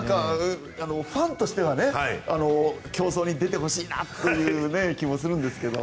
ファンとしては競争に出てほしいなという気もするんですが。